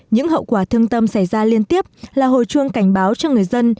những hậu quả thương tâm xảy ra liên tiếp là hồi chuông cảnh báo cho người dân